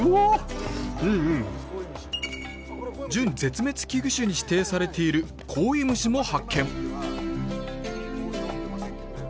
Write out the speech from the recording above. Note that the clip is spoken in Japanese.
準絶滅危惧種に指定されているコオイムシも発見！